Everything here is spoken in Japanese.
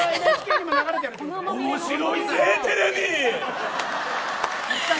面白いぜテレビ。